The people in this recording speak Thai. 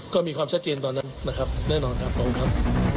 ก็มีความชัดเจนตอนนั้นนะครับแน่นอนครับตรงครับ